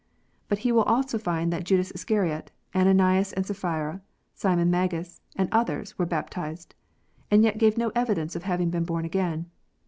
But he will also find that Judas Iscariot, Ananias and Sappliira, Simon Magus, and others, were baptized, and yet gave no evidence of having been born again.